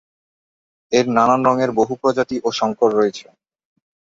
এর নানান রঙের বহু প্রজাতি ও শঙ্কর রয়েছে।